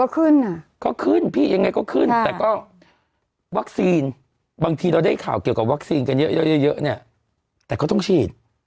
ก็คืนพี่ยังไงก็คืนแต่ก็วัคซีนบางทีเราได้ข่าวเกี่ยวกับวัคซีนกันเยอะเนี่ยแต่เขาต้องชีด